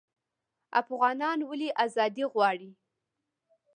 افغانان ولې ازادي غواړي؟